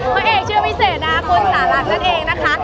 ตัวเอกเชื่อวิเศษนะคุณสาหรักนั่นเองนะคะ